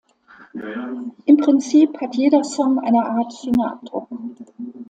Im Prinzip hat jeder Song eine Art Fingerabdruck.